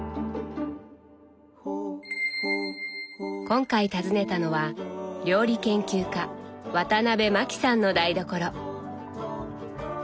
今回訪ねたのは料理研究家ワタナベマキさんの台所。